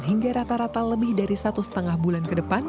hingga rata rata lebih dari satu setengah bulan ke depan